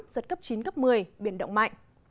giật cấp chín cấp một mươi biển động mạnh